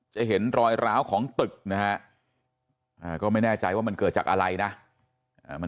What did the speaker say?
จะเห็นรอยร้าวของตึกนะฮะก็ไม่แน่ใจว่ามันเกิดจากอะไรนะ